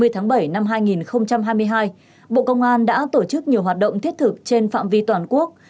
hai mươi tháng bảy năm hai nghìn hai mươi hai bộ công an đã tổ chức nhiều hoạt động thiết thực trên phạm vi toàn quốc